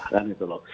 dan itu loh